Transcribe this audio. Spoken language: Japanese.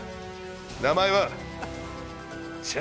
名前は？